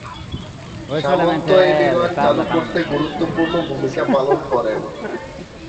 সামন্ত এই বিভাগ চালু করতে গুরুত্বপূর্ণ ভূমিকা পালন করেন।